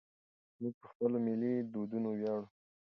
موږ په خپلو ملي دودونو ویاړو.